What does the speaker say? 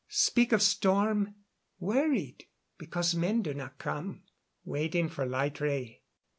Speak of storm. Worried because men do not come. Waiting for light ray."